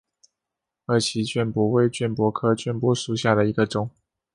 二歧卷柏为卷柏科卷柏属下的一个种。